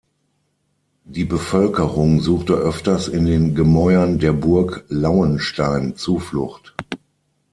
Die Bevölkerung suchte öfters in den Gemäuern der Burg Lauenstein Zuflucht.